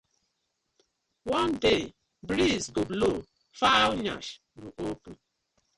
One day breeze go blow, fowl yansh go open: